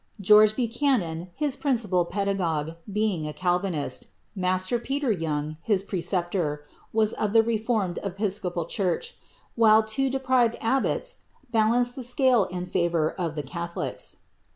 George Buchanan, his principal pedagogue, being a Calvinist; master P^ter Toung, his preceptor, was of the reformed episcopal church, while two deprived abbots balanced the scale in &vour of the catholics.